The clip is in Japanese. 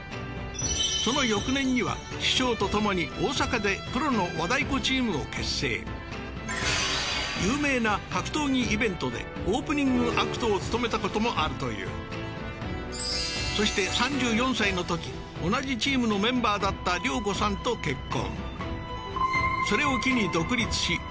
その翌年には師匠とともに大阪でプロの和太鼓チームを結成有名な格闘技イベントでオープニングアクトを務めたこともあるというそして３４歳のとき同じチームのメンバーだった良子さんと結婚